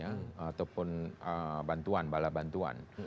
ataupun bantuan bala bantuan